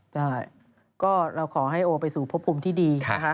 ได้ก็เราขอให้โอไปสู่พบภูมิที่ดีนะคะ